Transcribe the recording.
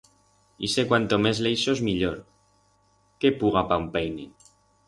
Ixe cuanto mes leixos millor, qué puga pa un peine!